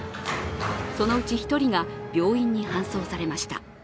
そのうち１人が病院に搬送されました。